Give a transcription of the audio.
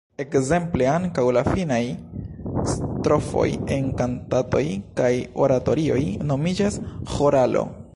Ekzemple ankaŭ la finaj strofoj en kantatoj kaj oratorioj nomiĝas „ĥoralo“.